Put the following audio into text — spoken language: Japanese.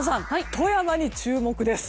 富山に注目です。